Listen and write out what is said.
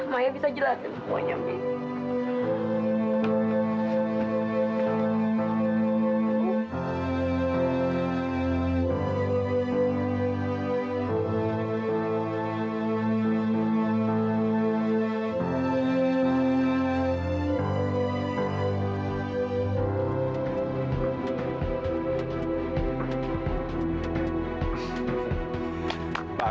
maya bisa jelaskan semuanya bu